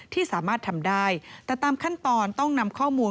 ที่สามารถทำได้แต่ตามขั้นตอนต้องนำข้อมูล